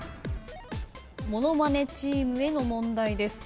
ものまねチームへの問題です。